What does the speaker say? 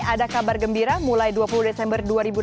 ada kabar gembira mulai dua puluh desember dua ribu delapan belas